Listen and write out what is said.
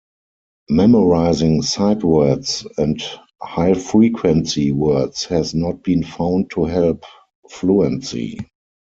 Memorizing sight words and high frequency words has not been found to help fluency.